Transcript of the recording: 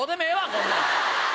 こんなん！